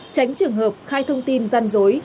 tránh trường hợp khai thông tin gian dối